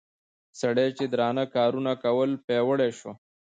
سړي چې درانه کارونه کول پياوړى شو